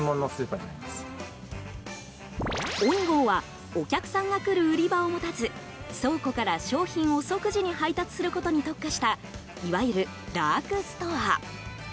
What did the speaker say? ＯｎｉＧＯはお客さんが来る売り場を持たず倉庫から商品を即時に配達することに特化したいわゆるダークストア。